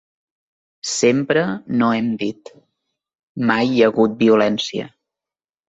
Sempre no hem dit: mai hi ha hagut violència.